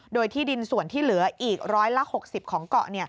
โดยที่ดินส่วนที่เหลืออีกร้อยละ๖๐ของเกาะ